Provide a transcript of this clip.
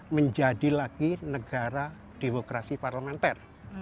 menjadi lagi negara demokrasi parlementer